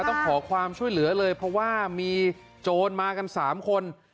ต้องขอความช่วยเหลือเลยเพราะว่ามีโจรมากัน๓คน